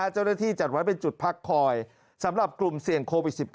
เจ้าหน้าที่จัดไว้เป็นจุดพักคอยสำหรับกลุ่มเสี่ยงโควิด๑๙